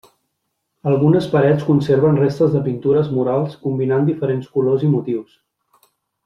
Algunes parets conserven restes de pintures murals combinant diferents colors i motius.